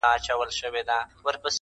د دې وطن د هر يو گل سره کي بد کړې وي.